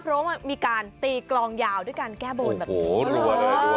เพราะว่ามันมีการตีกลองยาวด้วยการแก้บนแบบนี้โอ้โหรวดเลยรวดเลย